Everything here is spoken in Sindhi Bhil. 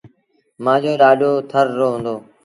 مآݩجو ڏآڏو ٿر رو هُݩدو۔